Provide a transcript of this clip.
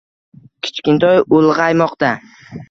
Kichkintoy ulg‘aymoqda.